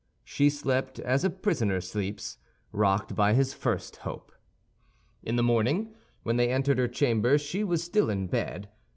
She slept as a prisoner sleeps, rocked by his first hope. In the morning, when they entered her chamber she was still in bed.